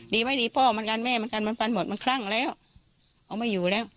ดีไม่ดีพ่อเหมือนกันแม่เหมือนกันมันกันหมดมันคลั่งแล้วเอาไม่อยู่แล้ว